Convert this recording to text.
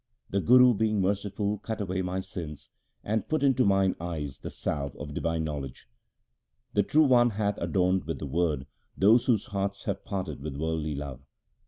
The Guru being merciful cut away my sins, and put into mine eyes the salve 3 of divine knowledge ; The True One hath adorned with the Word those whose hearts have parted with worldly love.